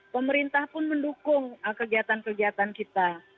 pemerintah pun mendukung kegiatan kegiatan kita